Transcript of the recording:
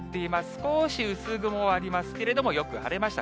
少し薄雲ありますけれども、よく晴れました。